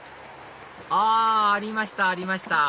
あありましたありました